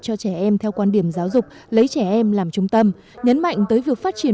cho trẻ em theo quan điểm giáo dục lấy trẻ em làm trung tâm nhấn mạnh tới việc phát triển